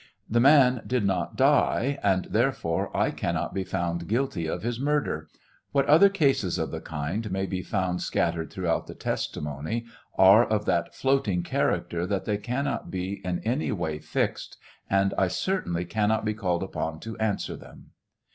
The man did not die, and therefore I cannot be found guilty of his murder. What other cases of the kind may be found scattered throughimt the testimony are of that floating character that they cannot be in any way fixed, and I cer tainly cannot be called upon to answer them.